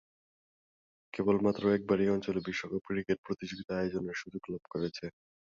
কেবলমাত্র একবার এ অঞ্চলে বিশ্বকাপ ক্রিকেট প্রতিযোগিতা আয়োজনের সুযোগ লাভ করেছে।